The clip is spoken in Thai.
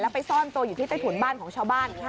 ไปซ่อนตัวอยู่ที่ใต้ถุนบ้านของชาวบ้าน